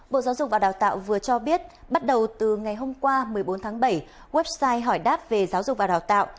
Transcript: bộ giáo dục và đào tạo vừa cho biết bắt đầu từ ngày hôm qua một mươi bốn tháng bảy website hỏi đáp về giáo dục và đào tạo